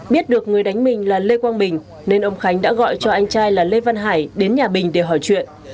biết được người đánh mình là lê quang bình nên ông khánh đã gọi cho anh trai là lê văn hải đến nhà bình để hỏi chuyện